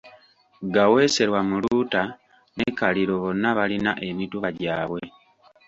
Gaweeserwa Muluuta ne Kaliro bonna balina emituba gyabwe.